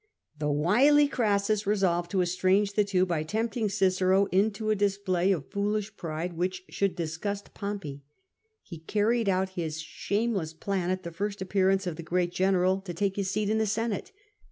The wily Crassus resolved to estrange the two hy tempting Cicero into a display of foolish pride which should disgust Pompey. He carried out his shameless plan at the first appearance of the great general to take his seat in the Senate.